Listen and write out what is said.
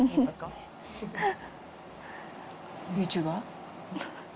ユーチューバー？